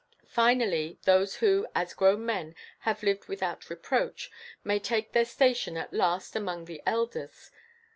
Finally, those who as grown men have lived without reproach may take their station at last among the elders.